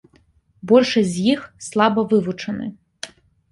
Большасць з іх слаба вывучаны.